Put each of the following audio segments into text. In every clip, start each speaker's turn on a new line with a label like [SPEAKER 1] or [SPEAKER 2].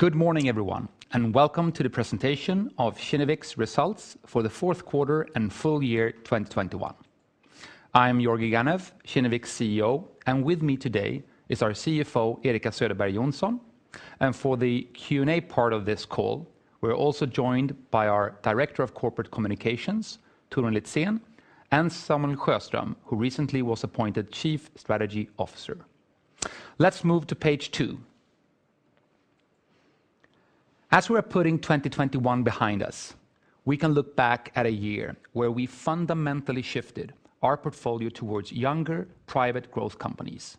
[SPEAKER 1] Good morning, everyone, and welcome to the presentation of Kinnevik's results for the fourth quarter and full year 2021. I am Georgi Ganev, Kinnevik's CEO, and with me today is our CFO, Erika Söderberg Johnson, and for the Q&A part of this call, we're also joined by our Director of Corporate Communications, Torun Litzén, and Samuel Sjöström, who recently was appointed Chief Strategy Officer. Let's move to page two. We're putting 2021 behind us, we can look back at a year where we fundamentally shifted our portfolio towards younger, private growth companies.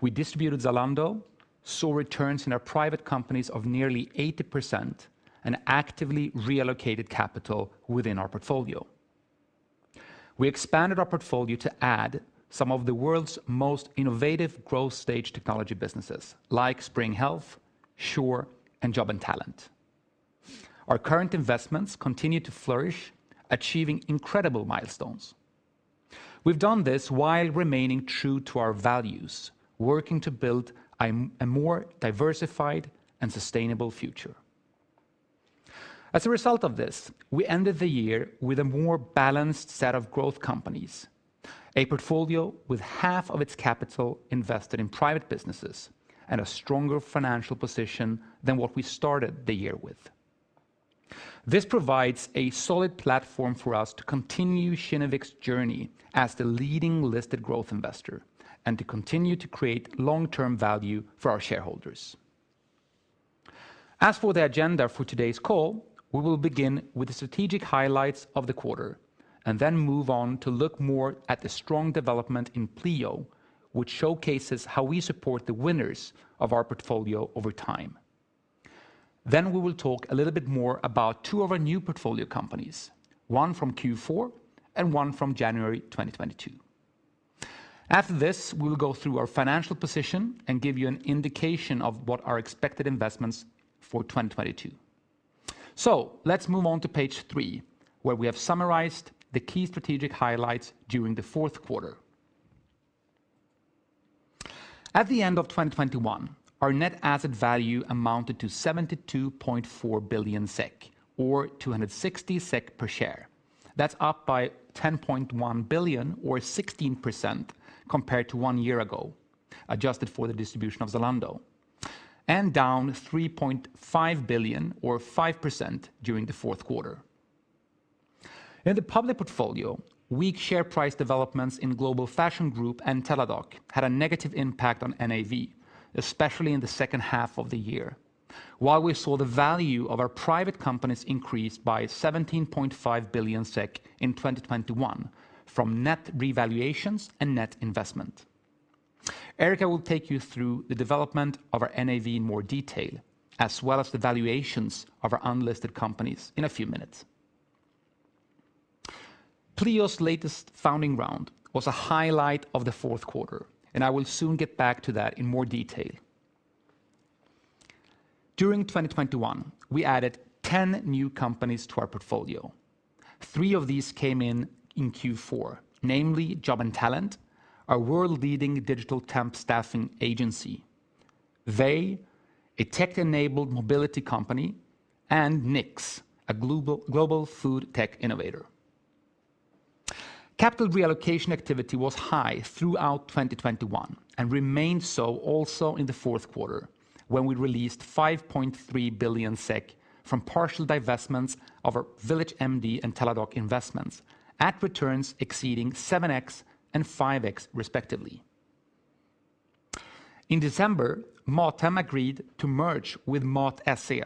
[SPEAKER 1] We distributed Zalando, saw returns in our private companies of nearly 80% and actively reallocated capital within our portfolio. We expanded our portfolio to add some of the world's most innovative growth stage technology businesses like Spring Health, Sure, and Jobandtalent. Our current investments continue to flourish, achieving incredible milestones. We've done this while remaining true to our values, working to build a more diversified and sustainable future. As a result of this, we ended the year with a more balanced set of growth companies, a portfolio with half of its capital invested in private businesses and a stronger financial position than what we started the year with. This provides a solid platform for us to continue Kinnevik's journey as the leading listed growth investor and to continue to create long-term value for our shareholders. As for the agenda for today's call, we will begin with the strategic highlights of the quarter and then move on to look more at the strong development in Pleo, which showcases how we support the winners of our portfolio over time. We will talk a little bit more about two of our new portfolio companies, one from Q4 and one from January 2022. After this, we'll go through our financial position and give you an indication of what are expected investments for 2022. Let's move on to page three, where we have summarized the key strategic highlights during the fourth quarter. At the end of 2021, our net asset value amounted to 72.4 billion SEK, or 260 SEK per share. That's up by 10.1 billion or 16% compared to one year ago, adjusted for the distribution of Zalando, and down 3.5 billion or 5% during the fourth quarter. In the public portfolio, weak share price developments in Global Fashion Group and Teladoc had a negative impact on NAV, especially in the second half of the year. While we saw the value of our private companies increase by 17.5 billion SEK in 2021 from net revaluations and net investment. Erika will take you through the development of our NAV in more detail, as well as the valuations of our unlisted companies in a few minutes. Pleo's latest funding round was a highlight of the fourth quarter, and I will soon get back to that in more detail. During 2021, we added 10 new companies to our portfolio. Three of these came in in Q4, namely Jobandtalent, a world-leading digital temp staffing agency, Vay, a tech-enabled mobility company, and Nick's, a global food tech innovator. Capital reallocation activity was high throughout 2021 and remained so also in the fourth quarter when we released 5.3 billion SEK from partial divestments of our VillageMD and Teladoc investments at returns exceeding 7x and 5x respectively. In December, Mathem agreed to merge with Mat.se,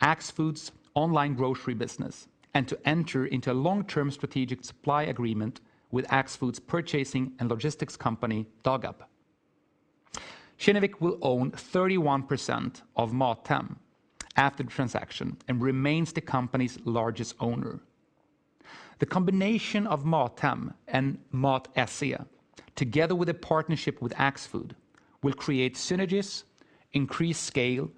[SPEAKER 1] Axfood's online grocery business, and to enter into a long-term strategic supply agreement with Axfood's purchasing and logistics company, Dagab. Kinnevik will own 31% of Mathem after the transaction and remains the company's largest owner. The combination of Mathem and Mat.se, together with a partnership with Axfood, will create synergies, increase scale,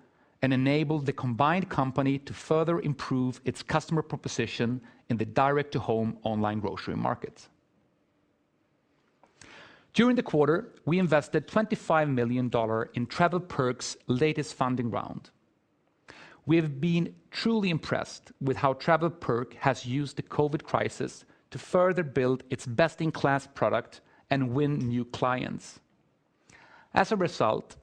[SPEAKER 1] and enable the combined company to further improve its customer proposition in the direct-to-home online grocery markets. During the quarter, we invested $25 million in TravelPerk's latest funding round. We have been truly impressed with how TravelPerk has used the COVID crisis to further build its best-in-class product and win new clients. As a result,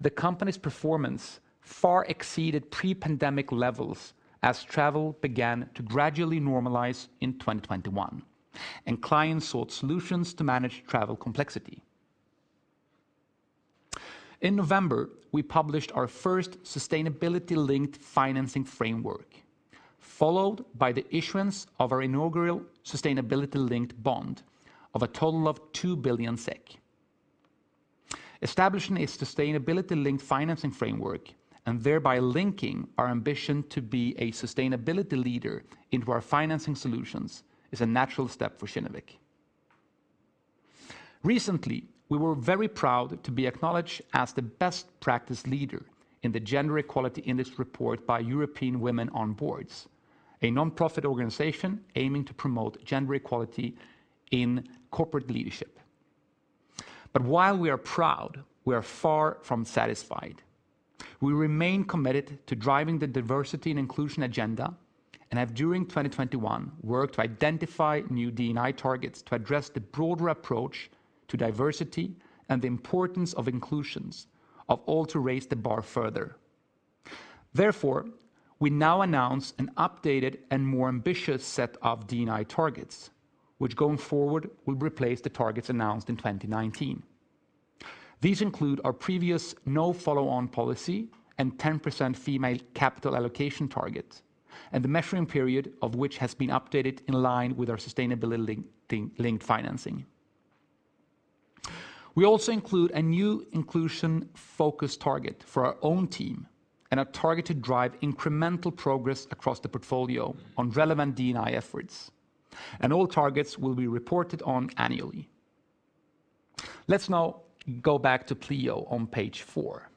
[SPEAKER 1] the company's performance far exceeded pre-pandemic levels as travel began to gradually normalize in 2021 and clients sought solutions to manage travel complexity. In November, we published our first sustainability-linked financing framework, followed by the issuance of our inaugural sustainability-linked bond of a total of 2 billion SEK. Establishing a sustainability-linked financing framework and thereby linking our ambition to be a sustainability leader into our financing solutions is a natural step for Kinnevik. Recently, we were very proud to be acknowledged as the Best Practice Leader in the Gender Equality Index report by European Women on Boards, a nonprofit organization aiming to promote gender equality in corporate leadership. While we are proud, we are far from satisfied. We remain committed to driving the diversity and inclusion agenda and have, during 2021, worked to identify new D&I targets to address the broader approach to diversity and the importance of inclusion of all to raise the bar further. Therefore, we now announce an updated and more ambitious set of D&I targets, which going forward will replace the targets announced in 2019. These include our previous no follow-on policy and 10% female capital allocation target, and the measuring period of which has been updated in line with our sustainability-linked financing. We also include a new inclusion focus target for our own team and a target to drive incremental progress across the portfolio on relevant D&I efforts, and all targets will be reported on annually. Let's now go back to Pleo on page four.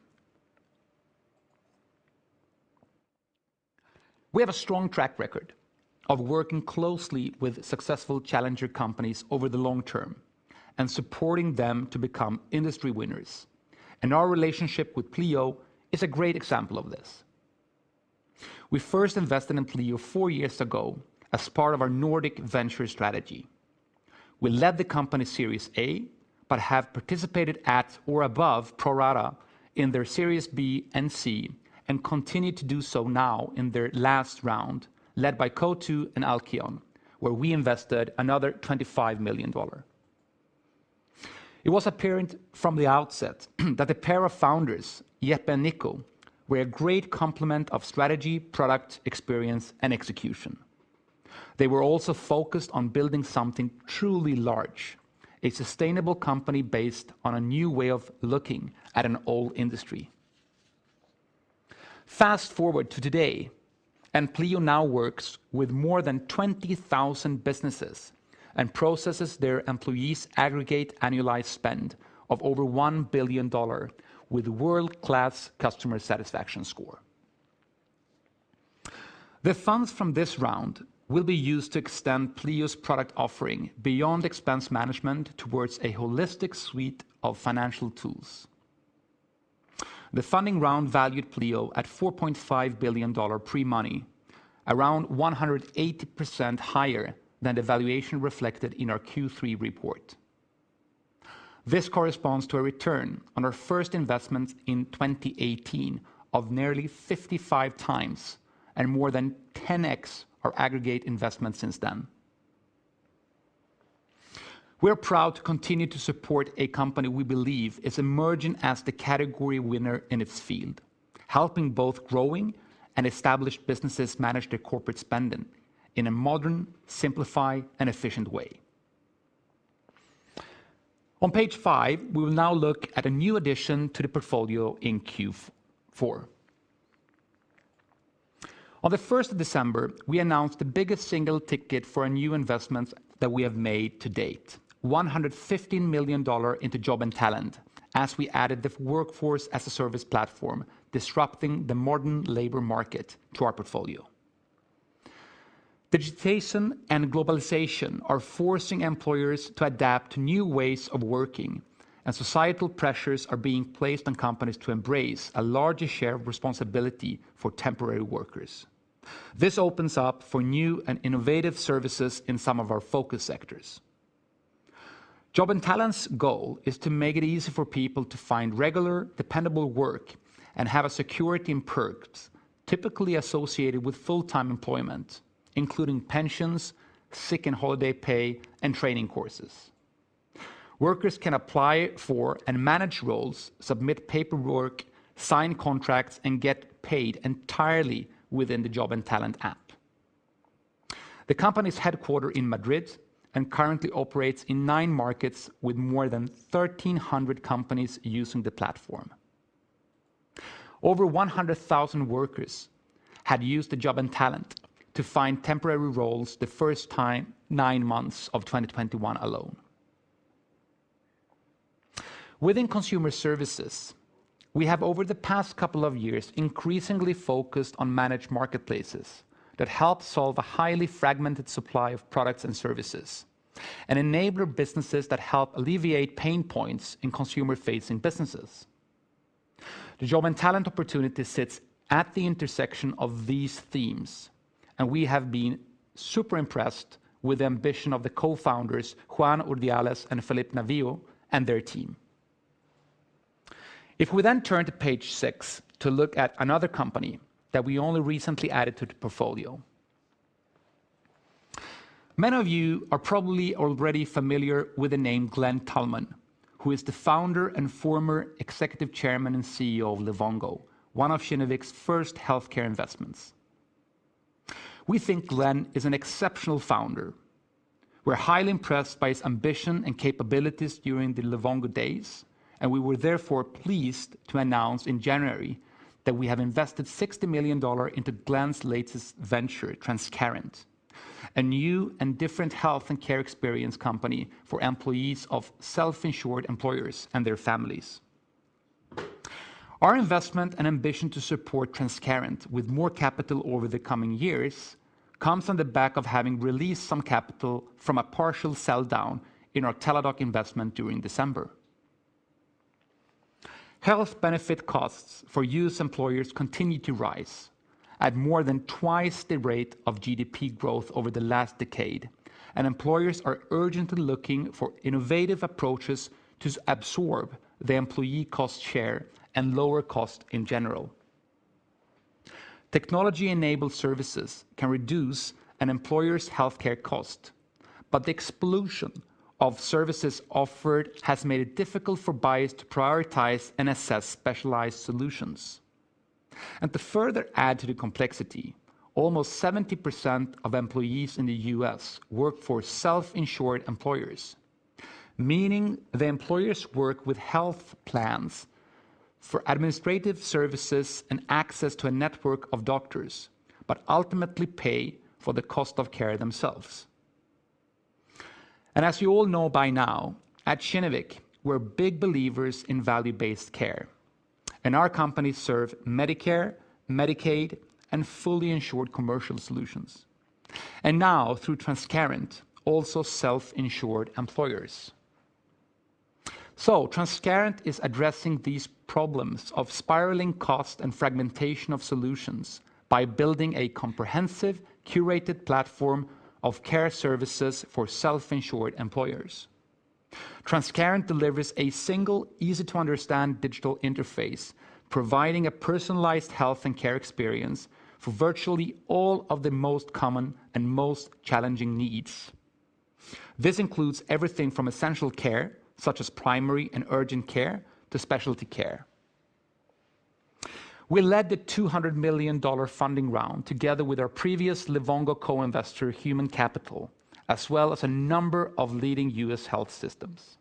[SPEAKER 1] We have a strong track record of working closely with successful challenger companies over the long term and supporting them to become industry winners, and our relationship with Pleo is a great example of this. We first invested in Pleo four years ago as part of our Nordic venture strategy. We led the company Series A, but have participated at or above pro rata in their Series B and C, and continue to do so now in their last round, led by Coatue and Alkeon, where we invested another $25 million. It was apparent from the outset that the pair of founders, Jeppe and Nicco, were a great complement of strategy, product, experience, and execution. They were also focused on building something truly large, a sustainable company based on a new way of looking at an old industry. Fast-forward to today, Pleo now works with more than 20,000 businesses and processes their employees aggregate annualized spend of over $1 billion with world-class customer satisfaction score. The funds from this round will be used to extend Pleo's product offering beyond expense management towards a holistic suite of financial tools. The funding round valued Pleo at $4.5 billion pre-money, around 180% higher than the valuation reflected in our Q3 report. This corresponds to a return on our first investment in 2018 of nearly 55x and more than 10x our aggregate investment since then. We're proud to continue to support a company we believe is emerging as the category winner in its field, helping both growing and established businesses manage their corporate spending in a modern, simplified, and efficient way. On page five, we will now look at a new addition to the portfolio in Q4. On the 1st December, we announced the biggest single ticket for a new investment that we have made to date, $115 million into Jobandtalent, as we added the workforce as a service platform, disrupting the modern labor market, to our portfolio. Digitization and globalization are forcing employers to adapt to new ways of working, and societal pressures are being placed on companies to embrace a larger share of responsibility for temporary workers. This opens up for new and innovative services in some of our focus sectors. Jobandtalent's goal is to make it easy for people to find regular, dependable work and have a security and perks typically associated with full-time employment, including pensions, sick and holiday pay, and training courses. Workers can apply for and manage roles, submit paperwork, sign contracts, and get paid entirely within the Jobandtalent app. The company's headquarters in Madrid and currently operates in nine markets with more than 1,300 companies using the platform. Over 100,000 workers have used the Jobandtalent to find temporary roles in the first nine months of 2021 alone. Within consumer services, we have over the past couple of years increasingly focused on managed marketplaces that help solve a highly fragmented supply of products and services and enable businesses that help alleviate pain points in consumer-facing businesses. The Jobandtalent opportunity sits at the intersection of these themes, and we have been super impressed with the ambition of the cofounders, Juan Urdiales and Felipe Navío, and their team. If we then turn to page six to look at another company that we only recently added to the portfolio. Many of you are probably already familiar with the name Glen Tullman, who is the founder and former Executive Chairman and CEO of Livongo, one of Kinnevik's first healthcare investments. We think Glen is an exceptional founder. We're highly impressed by his ambition and capabilities during the Livongo days, and we were therefore pleased to announce in January that we have invested $60 million into Glen's latest venture, Transcarent, a new and different health and care experience company for employees of self-insured employers and their families. Our investment and ambition to support Transcarent with more capital over the coming years comes on the back of having released some capital from a partial sell-down in our Teladoc investment during December. Health benefit costs for U.S. employers continue to rise at more than twice the rate of GDP growth over the last decade, and employers are urgently looking for innovative approaches to absorb the employee cost share and lower cost in general. Technology-enabled services can reduce an employer's healthcare cost, but the explosion of services offered has made it difficult for buyers to prioritize and assess specialized solutions. To further add to the complexity, almost 70% of employees in the U.S. work for self-insured employers, meaning the employers work with health plans for administrative services and access to a network of doctors, but ultimately pay for the cost of care themselves. As you all know by now, at Kinnevik, we're big believers in value-based care, and our companies serve Medicare, Medicaid, and fully insured commercial solutions. Now through Transcarent, also self-insured employers. Transcarent is addressing these problems of spiraling cost and fragmentation of solutions by building a comprehensive curated platform of care services for self-insured employers. Transcarent delivers a single easy-to-understand digital interface, providing a personalized health and care experience for virtually all of the most common and most challenging needs. This includes everything from essential care, such as primary and urgent care, to specialty care. We led the $200 million funding round together with our previous Livongo co-investor, Human Capital, as well as a number of leading U.S. health systems.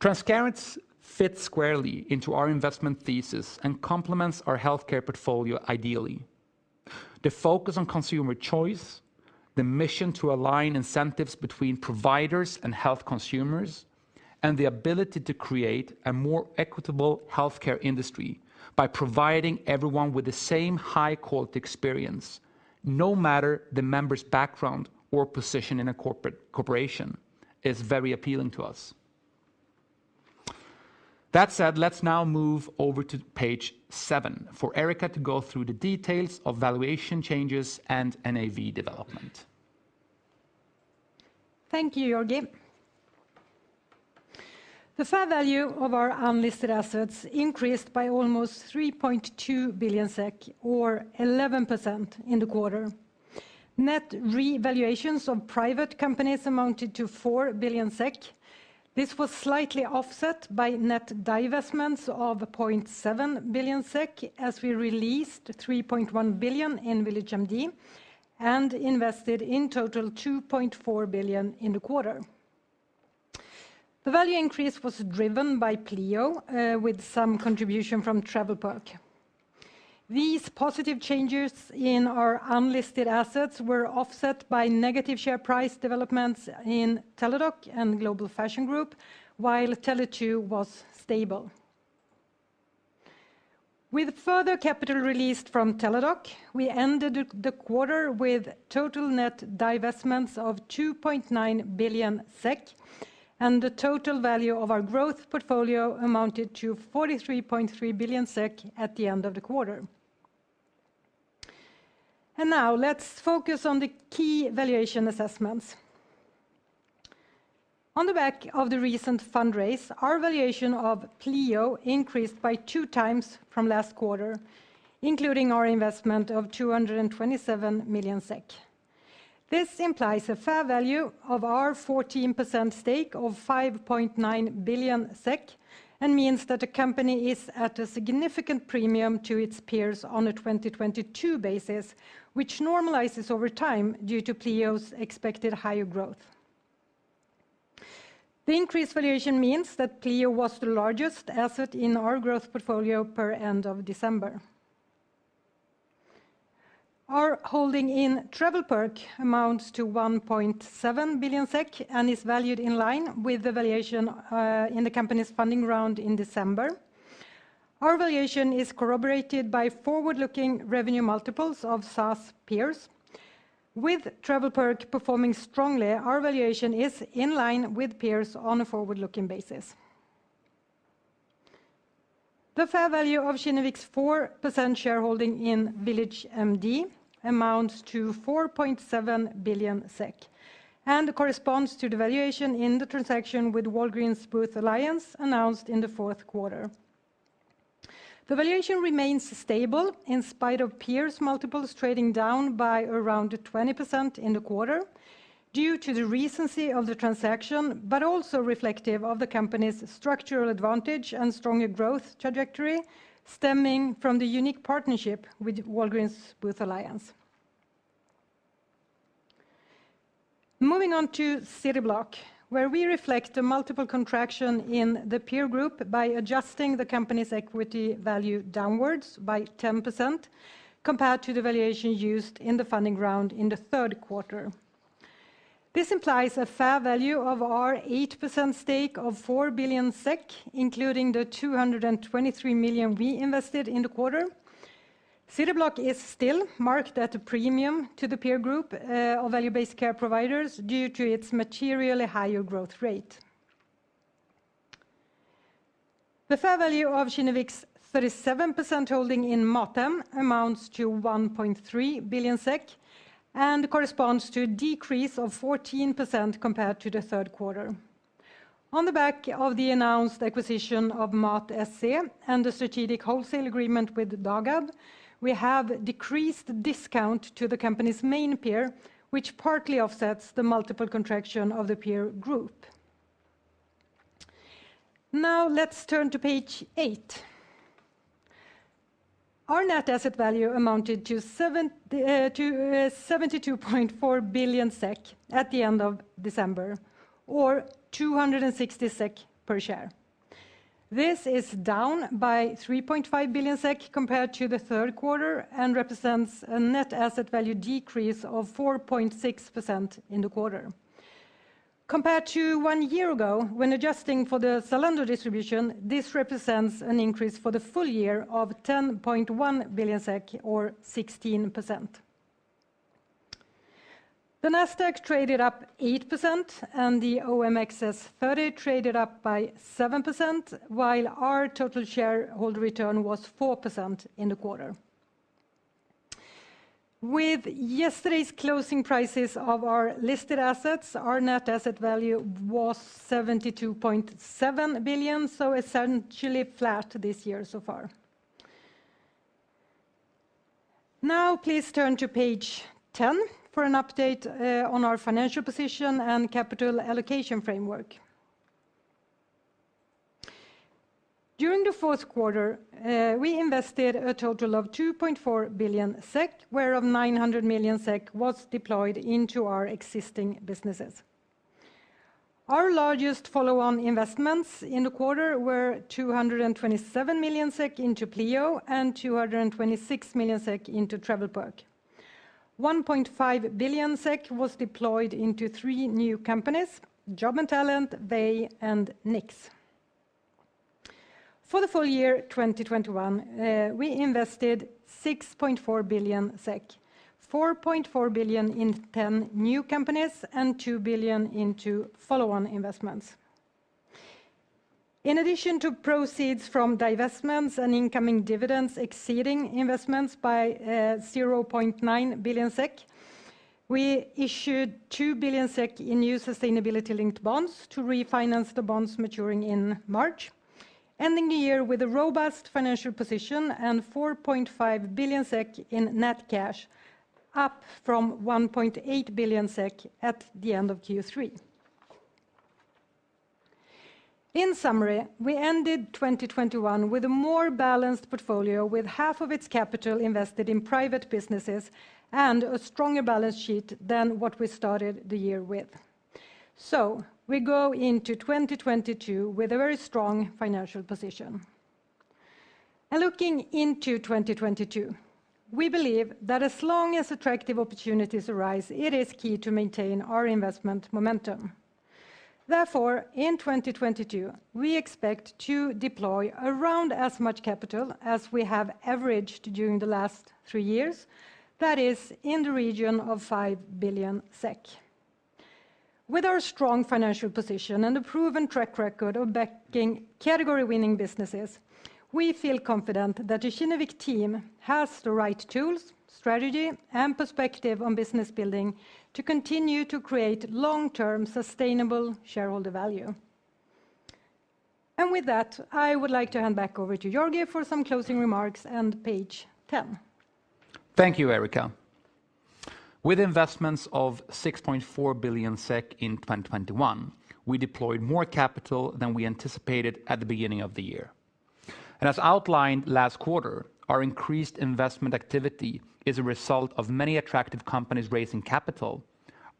[SPEAKER 1] Transcarent fits squarely into our investment thesis and complements our healthcare portfolio ideally. The focus on consumer choice, the mission to align incentives between providers and health consumers, and the ability to create a more equitable healthcare industry by providing everyone with the same high-quality experience, no matter the member's background or position in a corporate corporation, is very appealing to us. That said, let's now move over to page seven for Erika to go through the details of valuation changes and NAV development.
[SPEAKER 2] Thank you, Georgi. The fair value of our unlisted assets increased by almost 3.2 billion SEK or 11% in the quarter. Net revaluations of private companies amounted to 4 billion SEK. This was slightly offset by net divestments of 0.7 billion SEK as we released 3.1 billion in VillageMD and invested in total 2.4 billion in the quarter. The value increase was driven by Pleo with some contribution from TravelPerk. These positive changes in our unlisted assets were offset by negative share price developments in Teladoc and Global Fashion Group, while Tele2 was stable. With further capital released from Teladoc, we ended the quarter with total net divestments of 2.9 billion SEK, and the total value of our growth portfolio amounted to 43.3 billion SEK at the end of the quarter. Now let's focus on the key valuation assessments. On the back of the recent fundraise, our valuation of Pleo increased by 2x from last quarter, including our investment of 227 million SEK. This implies a fair value of our 14% stake of 5.9 billion SEK and means that the company is at a significant premium to its peers on a 2022 basis, which normalizes over time due to Pleo's expected higher growth. The increased valuation means that Pleo was the largest asset in our growth portfolio per end of December. Our holding in TravelPerk amounts to 1.7 billion SEK and is valued in line with the valuation in the company's funding round in December. Our valuation is corroborated by forward-looking revenue multiples of SaaS peers. With TravelPerk performing strongly, our valuation is in line with peers on a forward-looking basis. The fair value of Kinnevik's 4% shareholding in VillageMD amounts to 4.7 billion SEK and corresponds to the valuation in the transaction with Walgreens Boots Alliance announced in the fourth quarter. The valuation remains stable in spite of peers' multiples trading down by around 20% in the quarter due to the recency of the transaction, but also reflective of the company's structural advantage and stronger growth trajectory stemming from the unique partnership with Walgreens Boots Alliance. Moving on to Cityblock, where we reflect the multiple contraction in the peer group by adjusting the company's equity value downwards by 10% compared to the valuation used in the funding round in the third quarter. This implies a fair value of our 8% stake of 4 billion SEK, including the 223 million we invested in the quarter. Cityblock is still marked at a premium to the peer group of value-based care providers due to its materially higher growth rate. The fair value of Kinnevik's 37% holding in Mathem amounts to 1.3 billion SEK, and corresponds to a decrease of 14% compared to the third quarter. On the back of the announced acquisition of Mat.se and the strategic wholesale agreement with Dagab, we have decreased discount to the company's main peer, which partly offsets the multiple contraction of the peer group. Now let's turn to page eight. Our net asset value amounted to 72.4 billion SEK at the end of December or 260 SEK per share. This is down by 3.5 billion SEK compared to the third quarter and represents a net asset value decrease of 4.6% in the quarter. Compared to one year ago, when adjusting for the Zalando distribution, this represents an increase for the full year of 10.1 billion SEK or 16%. The NASDAQ traded up 8% and the OMXS30 traded up by 7%, while our total shareholder return was 4% in the quarter. With yesterday's closing prices of our listed assets, our net asset value was 72.7 billion, so essentially flat this year so far. Now please turn to page 10 for an update on our financial position and capital allocation framework. During the fourth quarter, we invested a total of 2.4 billion SEK, whereof 900 million SEK was deployed into our existing businesses. Our largest follow-on investments in the quarter were 227 million SEK into Pleo and 226 million SEK into TravelPerk. 1.5 billion SEK was deployed into three new companies, Jobandtalent, Vay, and Nick's. For the full year 2021, we invested 6.4 billion SEK, 4.4 billion in 10 new companies, and 2 billion into follow-on investments. In addition to proceeds from divestments and incoming dividends exceeding investments by 0.9 billion SEK, we issued 2 billion SEK in new sustainability-linked bonds to refinance the bonds maturing in March, ending the year with a robust financial position and 4.5 billion SEK in net cash, up from 1.8 billion SEK at the end of Q3. In summary, we ended 2021 with a more balanced portfolio, with half of its capital invested in private businesses and a stronger balance sheet than what we started the year with. We go into 2022 with a very strong financial position. Looking into 2022, we believe that as long as attractive opportunities arise, it is key to maintain our investment momentum. Therefore, in 2022, we expect to deploy around as much capital as we have averaged during the last three years, that is in the region of 5 billion SEK. With our strong financial position and the proven track record of backing category-winning businesses, we feel confident that the Kinnevik team has the right tools, strategy, and perspective on business building to continue to create long-term sustainable shareholder value. With that, I would like to hand back over to Georgi for some closing remarks on page 10.
[SPEAKER 1] Thank you, Erika. With investments of 6.4 billion SEK in 2021, we deployed more capital than we anticipated at the beginning of the year. As outlined last quarter, our increased investment activity is a result of many attractive companies raising capital,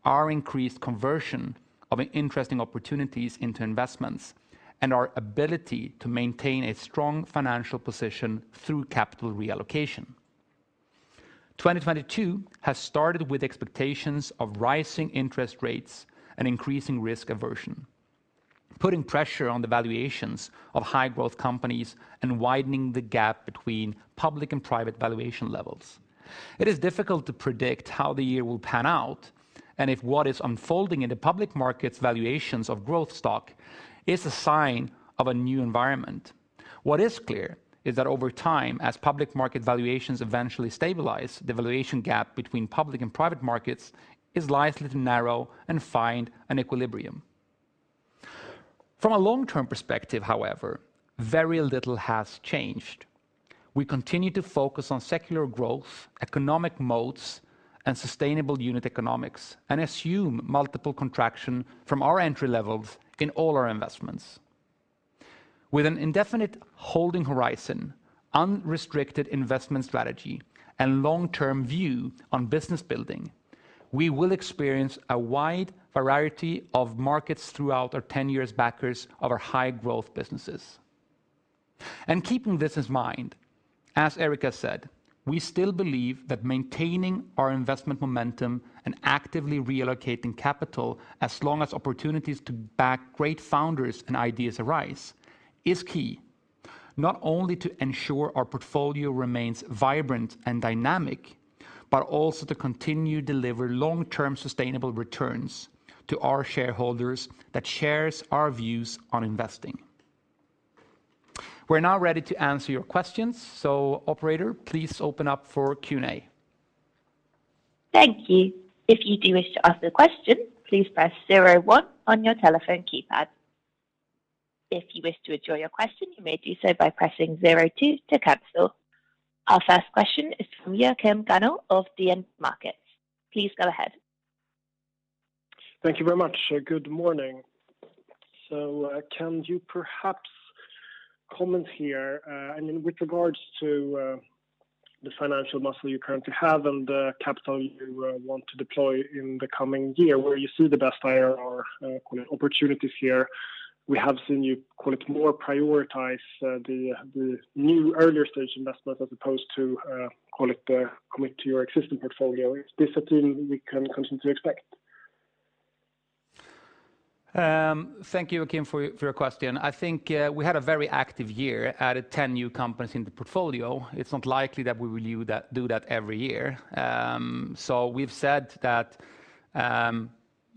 [SPEAKER 1] our increased conversion of interesting opportunities into investments, and our ability to maintain a strong financial position through capital reallocation. 2022 has started with expectations of rising interest rates and increasing risk aversion, putting pressure on the valuations of high growth companies and widening the gap between public and private valuation levels. It is difficult to predict how the year will pan out and if what is unfolding in the public markets valuations of growth stock is a sign of a new environment. What is clear is that over time, as public market valuations eventually stabilize, the valuation gap between public and private markets is likely to narrow and find an equilibrium. From a long-term perspective, however, very little has changed. We continue to focus on secular growth, economic moats, and sustainable unit economics and assume multiple contraction from our entry levels in all our investments. With an indefinite holding horizon, unrestricted investment strategy, and long-term view on business building, we will experience a wide variety of markets throughout our 10-year backers of our high-growth businesses. Keeping this in mind, as Erika said, we still believe that maintaining our investment momentum and actively reallocating capital as long as opportunities to back great founders and ideas arise is key, not only to ensure our portfolio remains vibrant and dynamic, but also to continue to deliver long-term sustainable returns to our shareholders that shares our views on investing. We're now ready to answer your questions. Operator, please open up for Q&A.
[SPEAKER 3] Our first question is from Joachim Gunell of DNB Markets. Please go ahead.
[SPEAKER 4] Thank you very much. Good morning. Can you perhaps comment here, I mean, with regards to the financial muscle you currently have and the capital you want to deploy in the coming year, where you see the best buy or call it opportunities here? We have seen you call it more prioritize the new earlier stage investment as opposed to call it commit to your existing portfolio. Is this something we can continue to expect?
[SPEAKER 1] Thank you, Joachim, for your question. I think we had a very active year, added 10 new companies in the portfolio. It's not likely that we will do that every year. We've said that,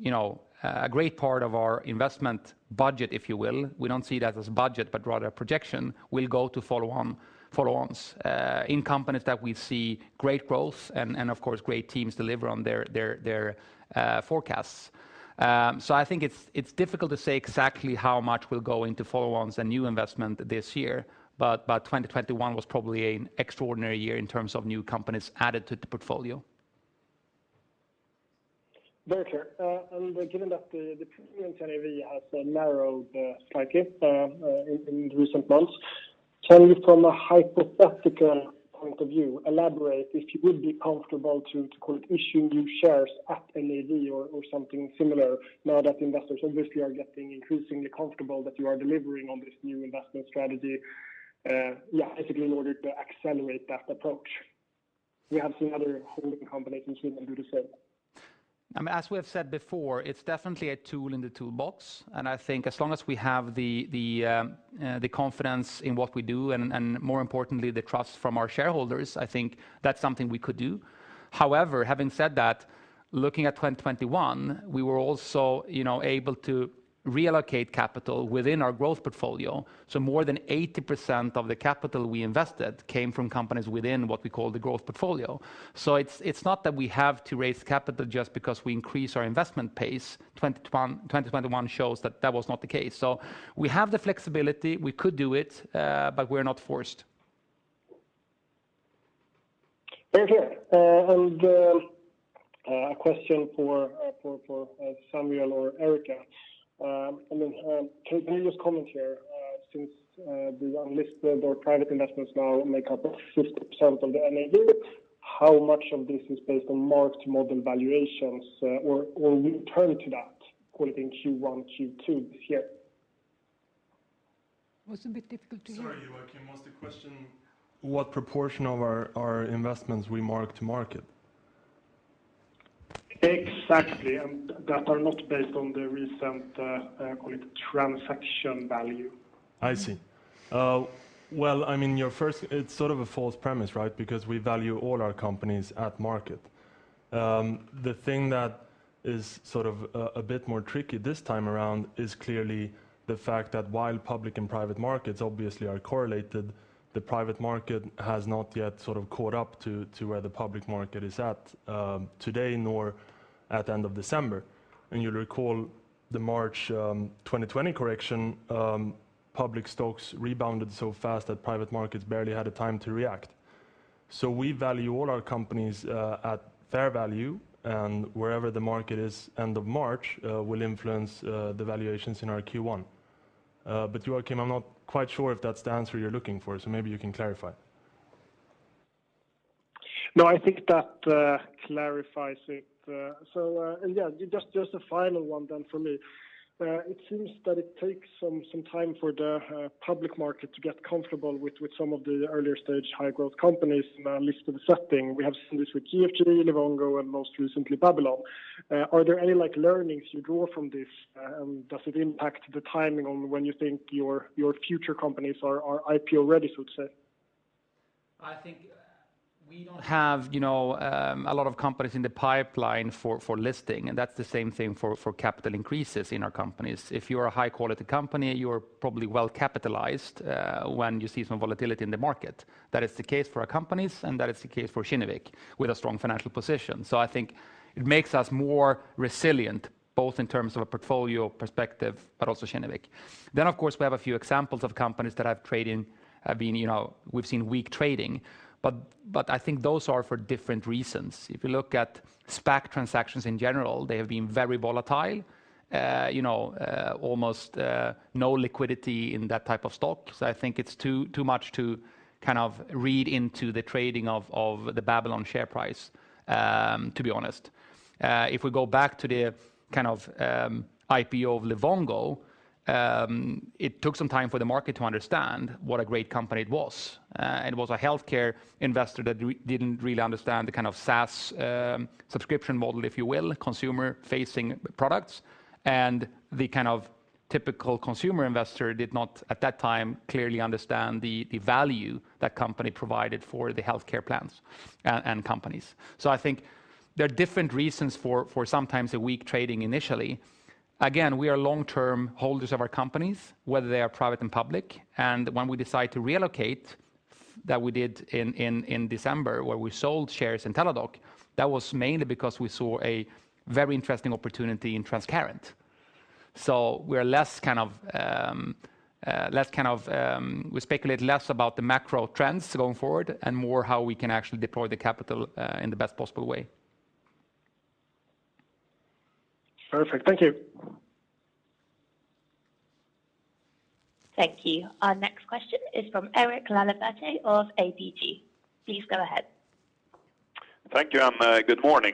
[SPEAKER 1] you know, a great part of our investment budget, if you will, we don't see that as budget, but rather a projection, will go to follow-ons in companies that we see great growth and of course, great teams deliver on their forecasts. I think it's difficult to say exactly how much will go into follow-ons and new investment this year, but 2021 was probably an extraordinary year in terms of new companies added to the portfolio.
[SPEAKER 4] Very clear. Given that the premium NAV has narrowed slightly in recent months, can you from a hypothetical point of view elaborate if you would be comfortable to call it issue new shares at NAV or something similar now that investors obviously are getting increasingly comfortable that you are delivering on this new investment strategy? Yeah, basically in order to accelerate that approach. We have some other holding companies who will do the same.
[SPEAKER 1] As we have said before, it's definitely a tool in the toolbox, and I think as long as we have the confidence in what we do and more importantly, the trust from our shareholders, I think that's something we could do. However, having said that, looking at 2021, we were also, you know, able to reallocate capital within our growth portfolio. More than 80% of the capital we invested came from companies within what we call the growth portfolio. It's not that we have to raise capital just because we increase our investment pace. 2021 shows that that was not the case. We have the flexibility, we could do it, but we're not forced.
[SPEAKER 4] Very clear. A question for Samuel or Erika. I mean, can you just comment here, since the unlisted or private investments now make up 50% of the NAV, how much of this is based on mark-to-model valuations? Or will you turn to that, call it in Q1, Q2 this year?
[SPEAKER 2] It was a bit difficult to hear.
[SPEAKER 5] Sorry, Joachim. Was the question what proportion of our investments we mark to market?
[SPEAKER 4] Exactly. That are not based on the recent, call it transaction value.
[SPEAKER 5] I see. Well, I mean, it's sort of a false premise, right? Because we value all our companies at market. The thing that is sort of a bit more tricky this time around is clearly the fact that while public and private markets obviously are correlated, the private market has not yet sort of caught up to where the public market is at today, nor at the end of December. You'll recall the March 2020 correction. Public stocks rebounded so fast that private markets barely had a time to react. We value all our companies at fair value, and wherever the market is end of March will influence the valuations in our Q1. Joachim, I'm not quite sure if that's the answer you're looking for, so maybe you can clarify.
[SPEAKER 4] No, I think that clarifies it. Yeah, just a final one then for me. It seems that it takes some time for the public market to get comfortable with some of the earlier stage high growth companies now listed setting. We have seen this with GFG, Livongo, and most recently, Babylon. Are there any, like, learnings you draw from this? Does it impact the timing on when you think your future companies are IPO-ready, so to say?
[SPEAKER 1] I think we don't have, you know, a lot of companies in the pipeline for listing, and that's the same thing for capital increases in our companies. If you are a high-quality company, you are probably well-capitalized when you see some volatility in the market. That is the case for our companies, and that is the case for Kinnevik with a strong financial position. I think it makes us more resilient, both in terms of a portfolio perspective, but also Kinnevik. Of course, we have a few examples of companies that, you know, we've seen weak trading. But I think those are for different reasons. If you look at SPAC transactions in general, they have been very volatile, you know, almost no liquidity in that type of stock. I think it's too much to kind of read into the trading of the Babylon share price, to be honest. If we go back to the kind of IPO of Livongo, it took some time for the market to understand what a great company it was. It was a healthcare investor that didn't really understand the kind of SaaS subscription model, if you will, consumer-facing products and the kind of- Typical consumer investor did not, at that time, clearly understand the value that company provided for the healthcare plans and companies. I think there are different reasons for sometimes a weak trading initially. Again, we are long-term holders of our companies, whether they are private and public, and when we decide to reallocate that we did in December, where we sold shares in Teladoc, that was mainly because we saw a very interesting opportunity in Transcarent. We speculate less about the macro trends going forward and more how we can actually deploy the capital in the best possible way.
[SPEAKER 4] Perfect. Thank you.
[SPEAKER 3] Thank you. Our next question is from Derek Laliberte of ABG. Please go ahead.
[SPEAKER 6] Thank you, good morning.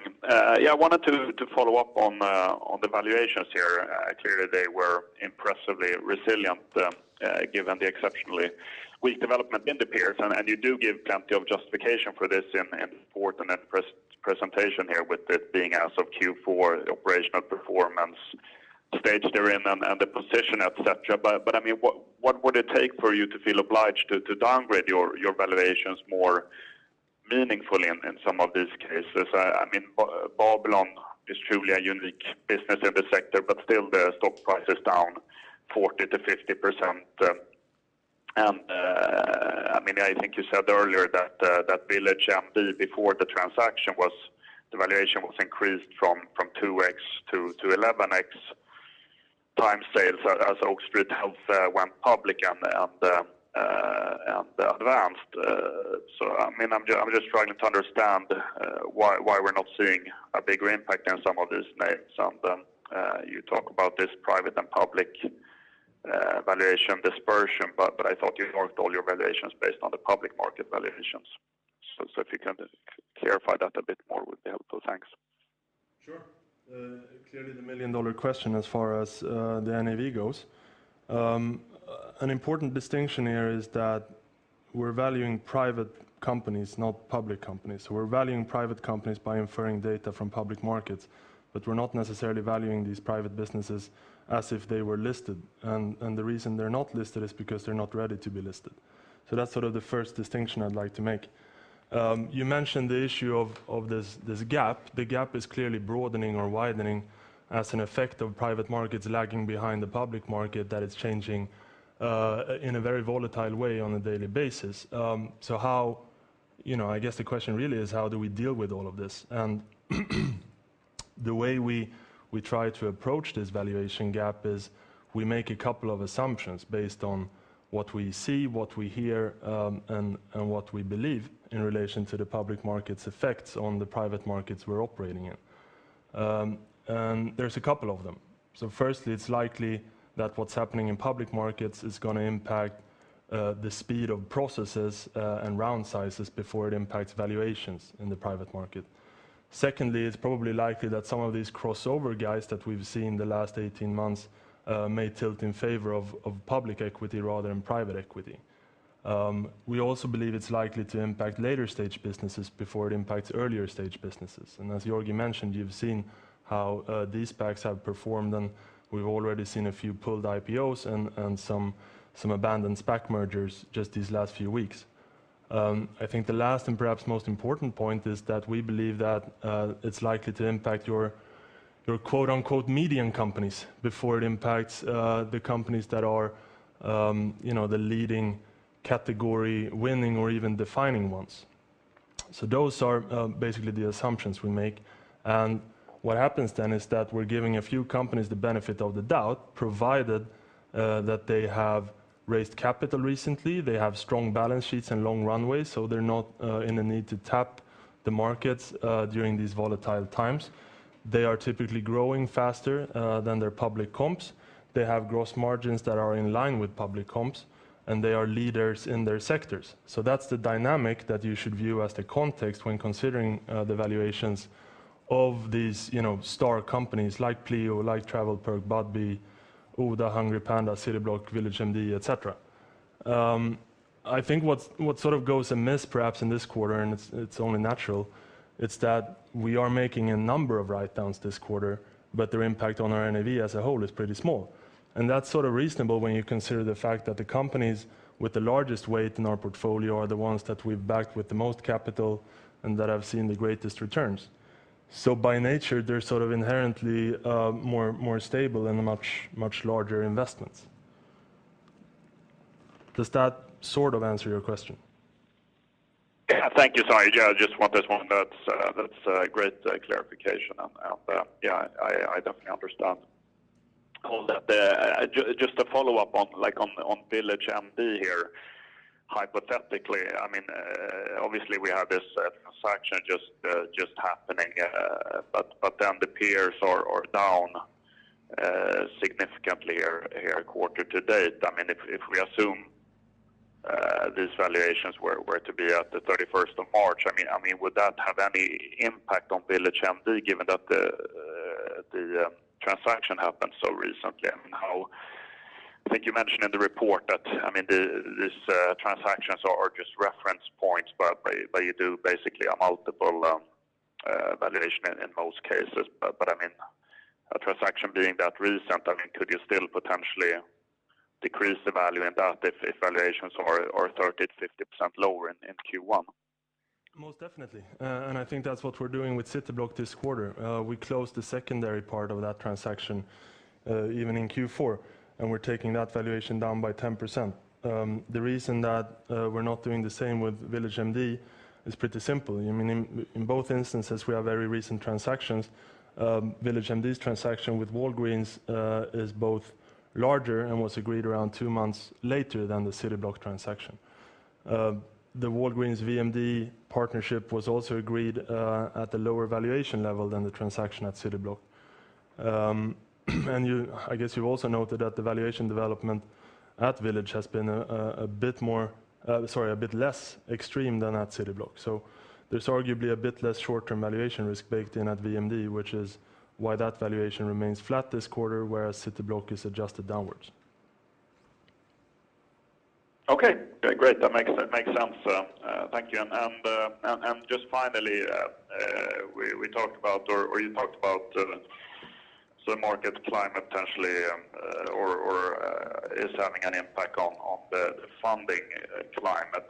[SPEAKER 6] Yeah, I wanted to follow up on the valuations here. Clearly they were impressively resilient, given the exceptionally weak development in the peers, and you do give plenty of justification for this in the fourth quarter presentation here with it being as of Q4 operational performance stage they're in and the position, et cetera. I mean, what would it take for you to feel obliged to downgrade your valuations more meaningfully in some of these cases? I mean, Babylon is truly a unique business in the sector, but still the stock price is down 40%-50%. I mean, I think you said earlier that VillageMD before the transaction was. The valuation was increased from 2x to 11x sales as Oak Street Health went public and advanced. I mean, I'm just trying to understand why we're not seeing a bigger impact in some of these names. Then you talk about this private and public valuation dispersion, but I thought you marked all your valuations based on the public market valuations. If you can clarify that a bit more, it would be helpful. Thanks.
[SPEAKER 5] Sure. Clearly the million-dollar question as far as the NAV goes. An important distinction here is that we're valuing private companies, not public companies. We're valuing private companies by inferring data from public markets, but we're not necessarily valuing these private businesses as if they were listed. The reason they're not listed is because they're not ready to be listed. That's sort of the first distinction I'd like to make. You mentioned the issue of this gap. The gap is clearly broadening or widening as an effect of private markets lagging behind the public market that is changing in a very volatile way on a daily basis. You know, I guess the question really is how do we deal with all of this? The way we try to approach this valuation gap is we make a couple of assumptions based on what we see, what we hear, and what we believe in relation to the public market's effects on the private markets we're operating in. There's a couple of them. Firstly, it's likely that what's happening in public markets is gonna impact the speed of processes and round sizes before it impacts valuations in the private market. Secondly, it's probably likely that some of these crossover guys that we've seen the last 18 months may tilt in favor of public equity rather than private equity. We also believe it's likely to impact later stage businesses before it impacts earlier stage businesses. As Georgi mentioned, you've seen how these SPACs have performed, and we've already seen a few pulled IPOs and some abandoned SPAC mergers just these last few weeks. I think the last and perhaps most important point is that we believe that it's likely to impact your "median companies" before it impacts the companies that are the leading category winning or even defining ones. Those are basically the assumptions we make. What happens then is that we're giving a few companies the benefit of the doubt, provided that they have raised capital recently. They have strong balance sheets and long runways, so they're not in a need to tap the markets during these volatile times. They are typically growing faster than their public comps. They have gross margins that are in line with public comps, and they are leaders in their sectors. That's the dynamic that you should view as the context when considering the valuations of these, you know, star companies like Pleo, like TravelPerk, Budbee, Oda, HungryPanda, Cityblock, VillageMD, et cetera. I think what sort of goes amiss perhaps in this quarter, and it's only natural that we are making a number of write-downs this quarter, but their impact on our NAV as a whole is pretty small. That's sort of reasonable when you consider the fact that the companies with the largest weight in our portfolio are the ones that we've backed with the most capital and that have seen the greatest returns. By nature, they're sort of inherently more stable and much larger investments. Does that sort of answer your question?
[SPEAKER 6] Yeah. Thank you. Sorry. Yeah, just wanted to know that's a great clarification. Yeah, I definitely understand all that. Just a follow-up on, like, on VillageMD here. Hypothetically, I mean, obviously we have this transaction just happening. Then the peers are down significantly here quarter-to-date. I mean, if we assume these valuations were to be at the 31st March, I mean, would that have any impact on VillageMD given that the transaction happened so recently? I mean, I think you mentioned in the report that, I mean, these transactions are just reference points, but you do basically a multiple valuation in most cases. I mean, a transaction being that recent, I mean, could you still potentially decrease the value in that if valuations are 30%-50% lower in Q1?
[SPEAKER 5] Most definitely. I think that's what we're doing with Cityblock this quarter. We closed the secondary part of that transaction, even in Q4, and we're taking that valuation down by 10%. The reason that we're not doing the same with VillageMD is pretty simple. I mean, in both instances, we have very recent transactions. VillageMD's transaction with Walgreens is both larger and was agreed around two months later than the Cityblock transaction. The Walgreens VMD partnership was also agreed at a lower valuation level than the transaction at Cityblock. I guess you also noted that the valuation development at Village has been a bit less extreme than at Cityblock. There's arguably a bit less short-term valuation risk baked in at VMD, which is why that valuation remains flat this quarter, whereas Cityblock is adjusted downwards.
[SPEAKER 6] Okay. Yeah, great. That makes sense. Thank you. Just finally, you talked about the market climate potentially having an impact on the funding climate.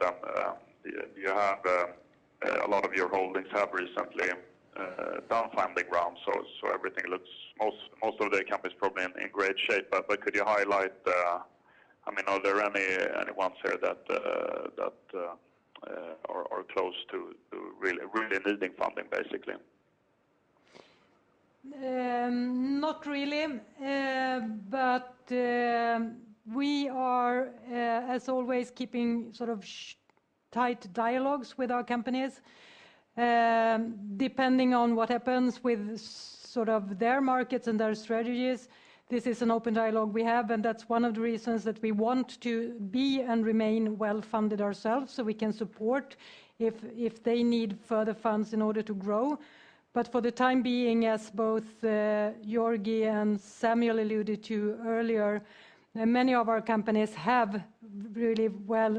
[SPEAKER 6] You have a lot of your holdings have recently found funding rounds, so everything looks like most of the companies probably in great shape. Could you highlight, I mean, are there anyone here that are close to really needing funding, basically?
[SPEAKER 2] Not really. We are, as always, keeping sort of tight dialogues with our companies. Depending on what happens with sort of their markets and their strategies, this is an open dialogue we have, and that's one of the reasons that we want to be and remain well-funded ourselves, so we can support if they need further funds in order to grow. For the time being, as both Georgi and Samuel alluded to earlier, many of our companies have really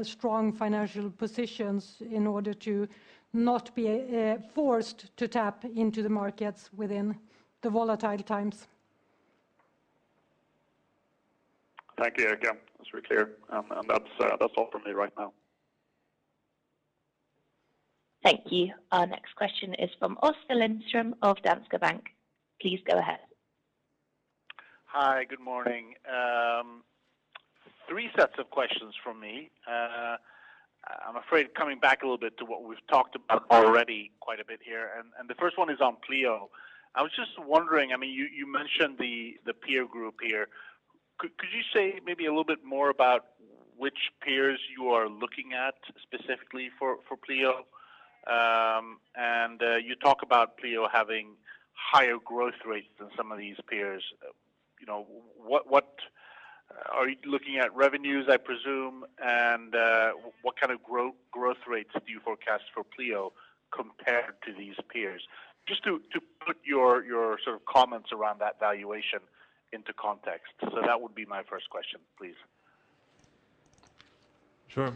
[SPEAKER 2] strong financial positions in order to not be forced to tap into the markets within the volatile times.
[SPEAKER 6] Thank you, Erika. That's very clear. That's all from me right now.
[SPEAKER 3] Thank you. Our next question is from Oscar Lindström of Danske Bank. Please go ahead.
[SPEAKER 7] Hi, good morning. Three sets of questions from me. I'm afraid coming back a little bit to what we've talked about already quite a bit here, and the first one is on Pleo. I was just wondering, I mean, you mentioned the peer group here. Could you say maybe a little bit more about which peers you are looking at specifically for Pleo? And you talk about Pleo having higher growth rates than some of these peers. You know, what are you looking at revenues, I presume, and what kind of growth rates do you forecast for Pleo compared to these peers? Just to put your sort of comments around that valuation into context. That would be my first question, please.
[SPEAKER 5] Sure.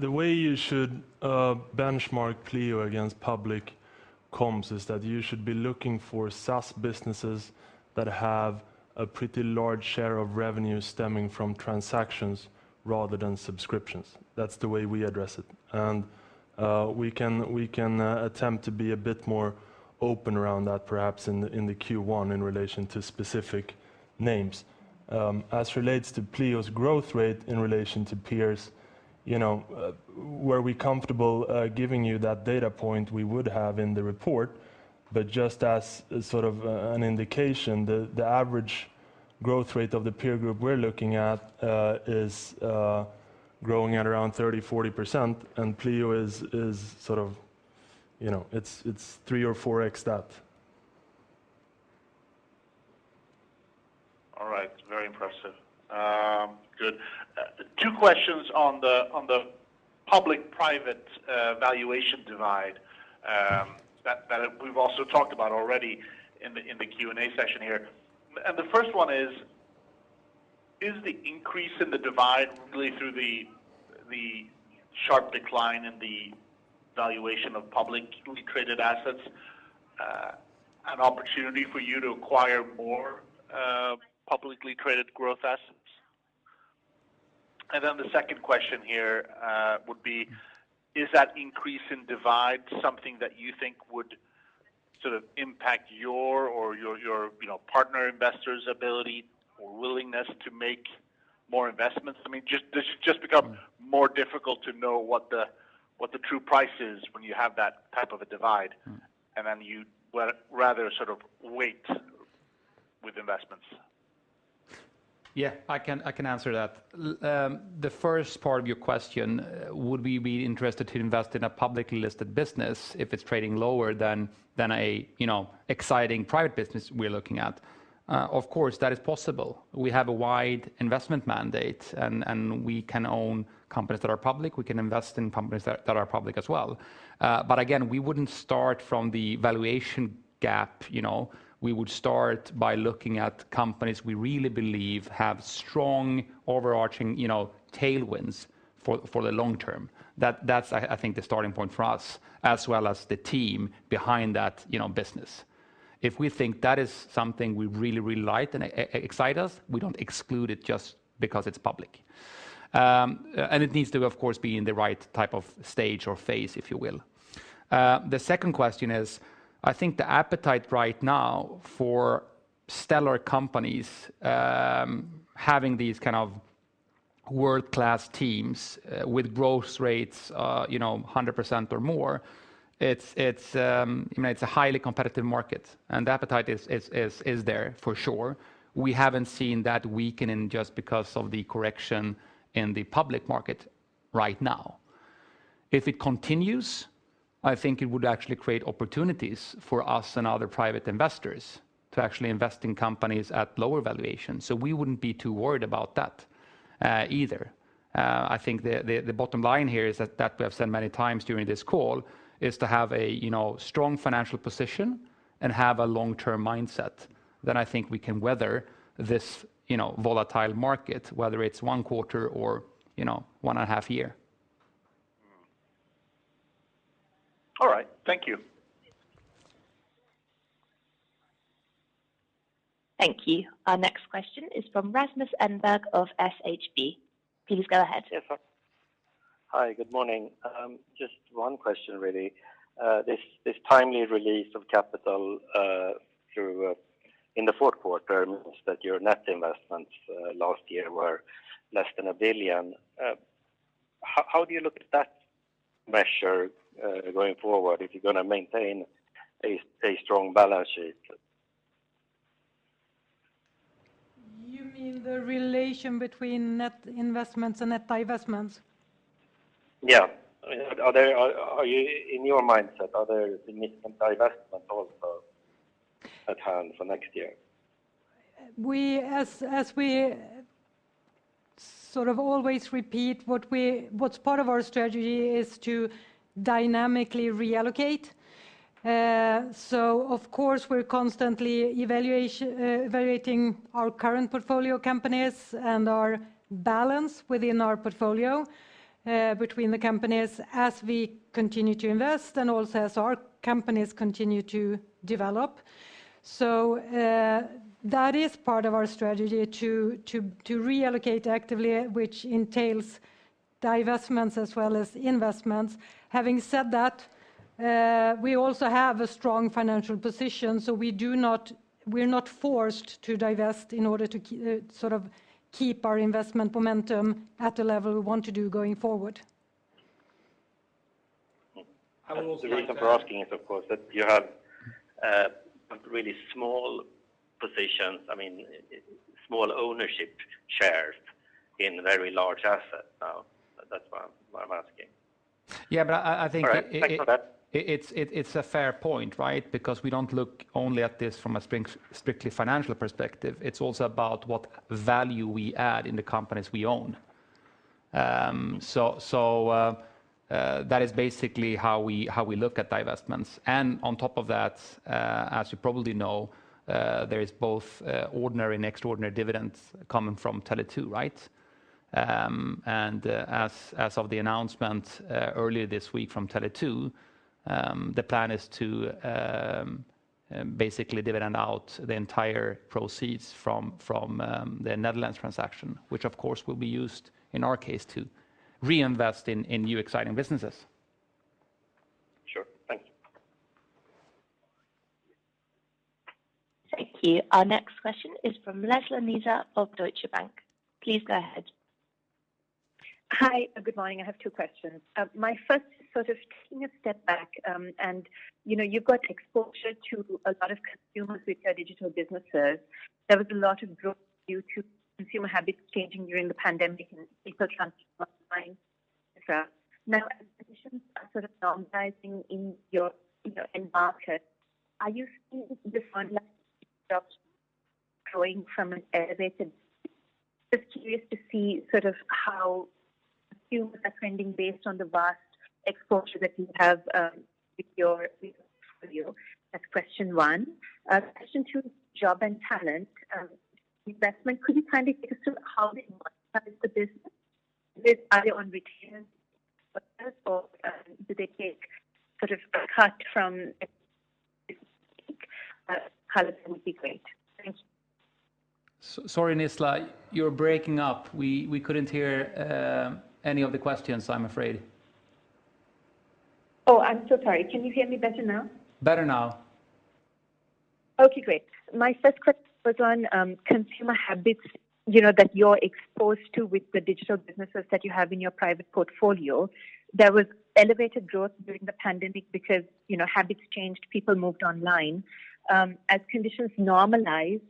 [SPEAKER 5] The way you should benchmark Pleo against public comps is that you should be looking for SaaS businesses that have a pretty large share of revenue stemming from transactions rather than subscriptions. That's the way we address it. We can attempt to be a bit more open around that, perhaps in the Q1 in relation to specific names. As relates to Pleo's growth rate in relation to peers, you know, were we comfortable giving you that data point, we would have in the report. Just as sort of an indication, the average growth rate of the peer group we're looking at is growing at around 30%-40%, and Pleo is sort of, you know, it's 3x or 4x that.
[SPEAKER 7] All right. Very impressive. Good. Two questions on the public-private valuation divide that we've also talked about already in the Q&A session here. The first one is the increase in the divide really through the sharp decline in the valuation of publicly traded assets an opportunity for you to acquire more publicly traded growth assets? The second question here would be, is that increase in divide something that you think would sort of impact your you know, partner investors' ability or willingness to make more investments? I mean, just become more difficult to know what the true price is when you have that type of a divide, and then you rather sort of wait with investments.
[SPEAKER 1] Yeah, I can answer that. The first part of your question, would we be interested to invest in a publicly listed business if it's trading lower than a you know exciting private business we're looking at? Of course, that is possible. We have a wide investment mandate and we can own companies that are public. We can invest in companies that are public as well. Again, we wouldn't start from the valuation gap, you know. We would start by looking at companies we really believe have strong overarching you know tailwinds for the long term. That's, I think, the starting point for us as well as the team behind that you know business. If we think that is something we really like and excite us, we don't exclude it just because it's public. It needs to, of course, be in the right type of stage or phase, if you will. The second question is, I think the appetite right now for stellar companies having these kind of world-class teams with growth rates, you know, 100% or more, it's you know, it's a highly competitive market, and the appetite is there for sure. We haven't seen that weakening just because of the correction in the public market right now. If it continues, I think it would actually create opportunities for us and other private investors to actually invest in companies at lower valuations. We wouldn't be too worried about that, either. I think the bottom line here is that we have said many times during this call is to have a, you know, strong financial position and have a long-term mindset. I think we can weather this, you know, volatile market, whether it's one quarter or, you know, one and a half year.
[SPEAKER 7] All right. Thank you.
[SPEAKER 3] Thank you. Our next question is from Rasmus Engberg of SHB. Please go ahead.
[SPEAKER 8] Yes. Hi, good morning. Just one question really. This timely release of capital through in the fourth quarter means that your net investments last year were less than 1 billion. How do you look at that measure going forward if you're gonna maintain a strong balance sheet?
[SPEAKER 2] You mean the relation between net investments and net divestments?
[SPEAKER 8] In your mindset, are there significant divestment also at hand for next year?
[SPEAKER 2] As we sort of always repeat, what's part of our strategy is to dynamically reallocate. Of course, we're constantly evaluating our current portfolio companies and our balance within our portfolio, between the companies as we continue to invest and also as our companies continue to develop. That is part of our strategy to reallocate actively, which entails divestments as well as investments. Having said that, we also have a strong financial position, so we're not forced to divest in order to sort of keep our investment momentum at the level we want to do going forward.
[SPEAKER 1] I will-
[SPEAKER 8] The reason for asking is, of course, that you have really small positions, I mean, small ownership shares in very large assets now. That's why I'm asking.
[SPEAKER 1] Yeah, I think.
[SPEAKER 8] All right. Thanks for that.
[SPEAKER 1] It's a fair point, right? Because we don't look only at this from a strictly financial perspective. It's also about what value we add in the companies we own. That is basically how we look at divestments. On top of that, as you probably know, there is both ordinary and extraordinary dividends coming from Tele2, right? As of the announcement earlier this week from Tele2, the plan is to basically dividend out the entire proceeds from the Netherlands transaction, which of course will be used in our case to reinvest in new exciting businesses.
[SPEAKER 8] Sure. Thank you.
[SPEAKER 3] Thank you. Our next question is from Nizla Naizer of Deutsche Bank. Please go ahead.
[SPEAKER 9] Hi, good morning. I have two questions. My first is sort of taking a step back, and you know, you've got exposure to a lot of consumers with their digital businesses. There was a lot of growth due to consumer habits changing during the pandemic and people transitioning online, et cetera. Now, as conditions are sort of normalizing in your, you know, end market, are you seeing the front line growing from an elevated. Just curious to see sort of how consumers are trending based on the vast exposure that you have, with your portfolio. That's question one. Question two, Jobandtalent investment. Could you kind of give us sort of how they monetize the business? Are they on retainers first or, do they take sort of cut from, color would be great. Thank you.
[SPEAKER 1] Sorry, Nizla, you're breaking up. We couldn't hear any of the questions, I'm afraid.
[SPEAKER 9] Oh, I'm so sorry. Can you hear me better now?
[SPEAKER 1] Better now.
[SPEAKER 9] Okay, great. My first question was on consumer habits, you know, that you're exposed to with the digital businesses that you have in your private portfolio. There was elevated growth during the pandemic because, you know, habits changed, people moved online. As conditions normalize,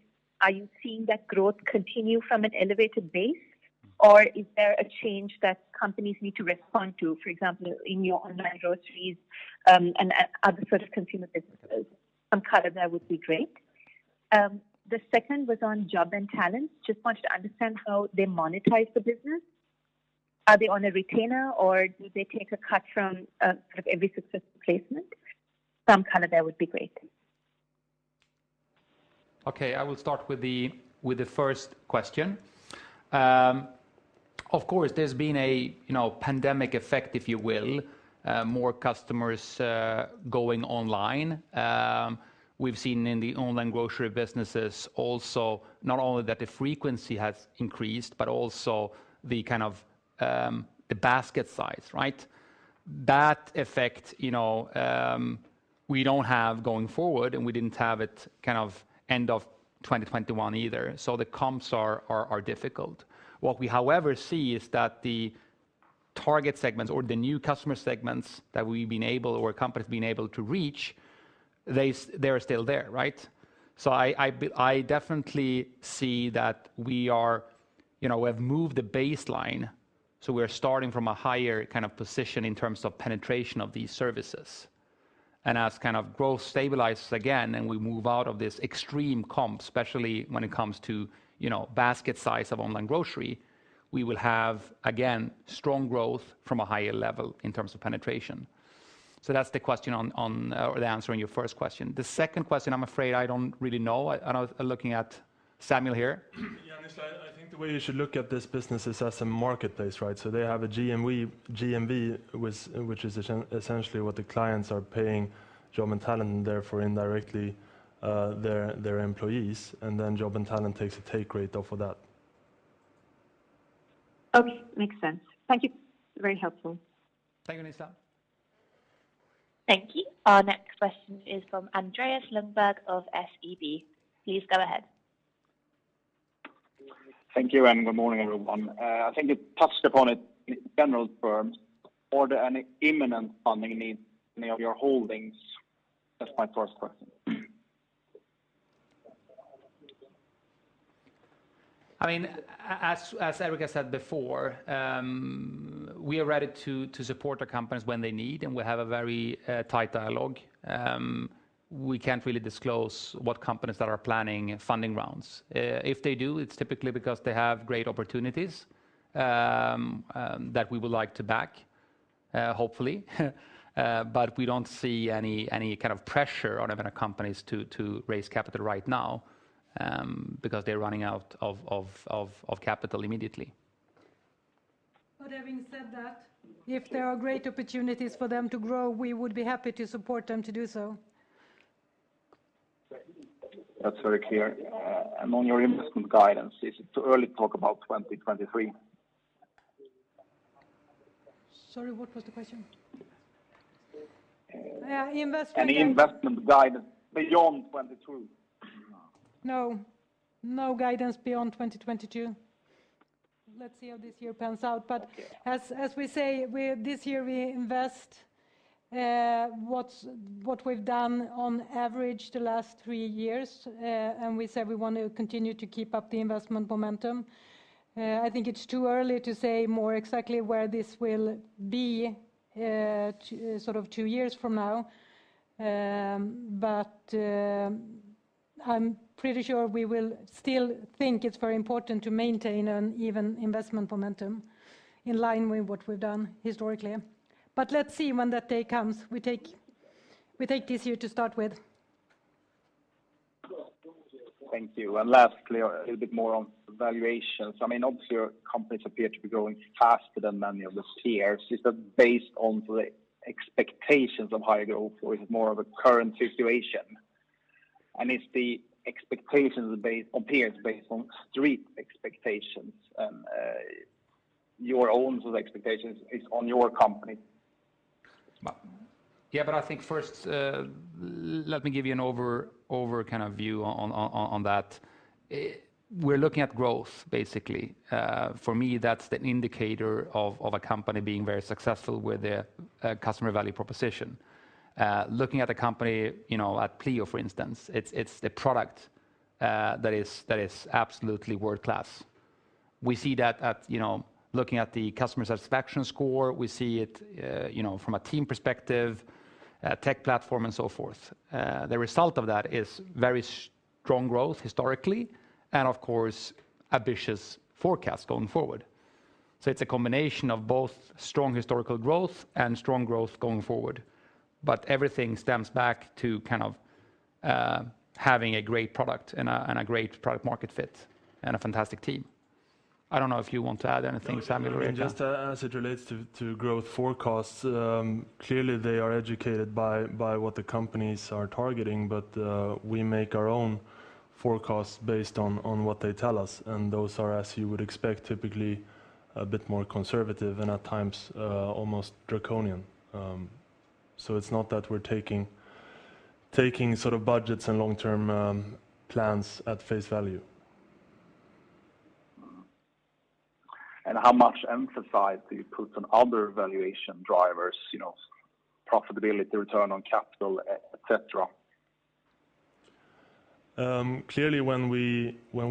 [SPEAKER 9] are you seeing that growth continue from an elevated base? Or is there a change that companies need to respond to, for example, in your online groceries and other sort of consumer businesses? Some color there would be great. The second was on Jobandtalent. Just wanted to understand how they monetize the business. Are they on a retainer, or do they take a cut from sort of every successful placement? Some color there would be great.
[SPEAKER 1] Okay, I will start with the first question. Of course, there's been a pandemic effect, if you will, more customers going online. We've seen in the online grocery businesses also not only that the frequency has increased, but also the kind of the basket size, right? That effect, you know, we don't have going forward, and we didn't have it kind of end of 2021 either. So the comps are difficult. What we, however, see is that the target segments or the new customer segments that we've been able or companies have been able to reach, they're still there, right? I definitely see that we are, you know, we have moved the baseline, so we're starting from a higher kind of position in terms of penetration of these services. As kind of growth stabilizes again and we move out of this extreme comp, especially when it comes to, you know, basket size of online grocery, we will have, again, strong growth from a higher level in terms of penetration. So that's the answer on your first question. The second question, I'm afraid I don't really know. I was looking at Samuel here.
[SPEAKER 5] Yeah, I just think the way you should look at this business is as a marketplace, right? So they have a GMV which is essentially what the clients are paying Jobandtalent, therefore indirectly, their employees. Jobandtalent takes a take rate off of that.
[SPEAKER 9] Okay, makes sense. Thank you. Very helpful.
[SPEAKER 1] Thank you, Nizla.
[SPEAKER 3] Thank you. Our next question is from Andreas Lundberg of SEB. Please go ahead.
[SPEAKER 10] Thank you, and good morning, everyone. I think you touched upon it in general terms. Are there any imminent funding needs in any of your holdings? That's my first question.
[SPEAKER 1] I mean, as Erika said before, we are ready to support our companies when they need, and we have a very tight dialogue. We can't really disclose what companies that are planning funding rounds. If they do, it's typically because they have great opportunities that we would like to back, hopefully. We don't see any kind of pressure on our companies to raise capital right now, because they're running out of capital immediately.
[SPEAKER 2] Having said that, if there are great opportunities for them to grow, we would be happy to support them to do so.
[SPEAKER 10] That's very clear. On your investment guidance, is it too early to talk about 2023?
[SPEAKER 2] Sorry, what was the question?
[SPEAKER 10] Any investment guidance beyond 2022?
[SPEAKER 2] No. No guidance beyond 2022. Let's see how this year pans out.
[SPEAKER 10] Okay
[SPEAKER 2] As we say, this year we invest what we've done on average the last three years. We said we want to continue to keep up the investment momentum. I think it's too early to say more exactly where this will be, sort of two years from now. I'm pretty sure we will still think it's very important to maintain an even investment momentum in line with what we've done historically. Let's see when that day comes. We take this year to start with.
[SPEAKER 10] Thank you. Lastly, a little bit more on valuations. I mean, obviously your companies appear to be growing faster than many of the peers. Is that based on the expectations of higher growth, or is it more of a current situation? If the expectations are based on peers, based on street expectations, your own expectations is on your company?
[SPEAKER 1] Yeah, I think first, let me give you an overview on that. We're looking at growth basically. For me, that's the indicator of a company being very successful with their customer value proposition. Looking at a company, you know, at Pleo, for instance, it's the product that is absolutely world-class. We see that, you know, looking at the customer satisfaction score. We see it, you know, from a team perspective, tech platform and so forth. The result of that is very strong growth historically and of course ambitious forecast going forward. It's a combination of both strong historical growth and strong growth going forward. Everything stems back to kind of having a great product and a great product market fit and a fantastic team. I don't know if you want to add anything, Samuel, here?
[SPEAKER 5] Just as it relates to growth forecasts, clearly they are educated by what the companies are targeting. We make our own forecasts based on what they tell us, and those are, as you would expect, typically a bit more conservative and at times almost draconian. It's not that we're taking sort of budgets and long-term plans at face value.
[SPEAKER 10] How much emphasis do you put on other valuation drivers, you know, profitability, return on capital, et cetera?
[SPEAKER 5] Clearly when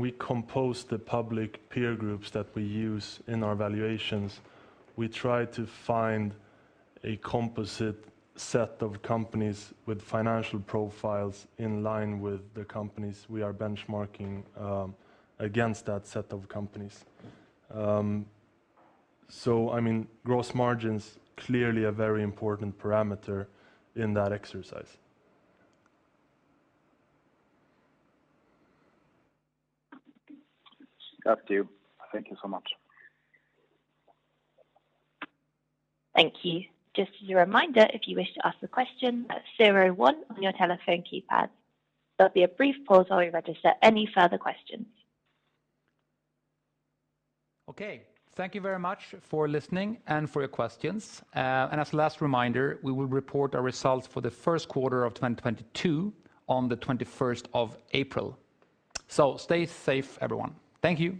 [SPEAKER 5] we compose the public peer groups that we use in our valuations, we try to find a composite set of companies with financial profiles in line with the companies we are benchmarking against that set of companies. I mean, gross margin's clearly a very important parameter in that exercise.
[SPEAKER 10] That's clear. Thank you so much.
[SPEAKER 3] Thank you. Just as a reminder, if you wish to ask a question, that's star one on your telephone keypad. There'll be a brief pause while we register any further questions.
[SPEAKER 1] Okay. Thank you very much for listening and for your questions. As a last reminder, we will report our results for the first quarter of 2022 on the 21st April. Stay safe, everyone. Thank you.